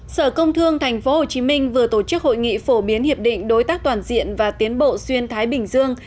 sở công thương tp hcm vừa tổ chức hội nghị phổ biến hiệp định đối tác toàn diện và tiến bộ xuyên thái bình dương